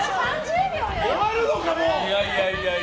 終わるのか、もう。